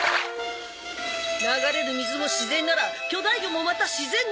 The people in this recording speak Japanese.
流れる水も自然なら巨大魚もまた自然の一部。